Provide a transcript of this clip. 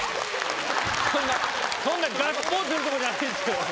そんなそんなガッツポーズ出るとこじゃないですよ。